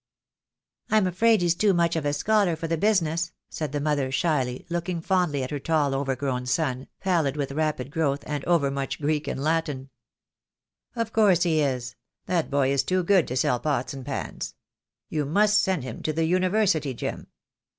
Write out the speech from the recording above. "I'm afraid he's too much of a scholar for the busi ness," said the mother, shyly, looking fondly at her tall overgrown son, pallid with rapid growth and overmuch Greek and Latin. "Of course he is; that boy is too good to sell pots and pans. You must, send him to the University, Jim."